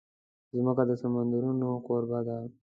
مځکه د سمندرونو کوربه ده.